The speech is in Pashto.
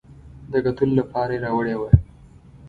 د کتلو لپاره یې راوړې وه.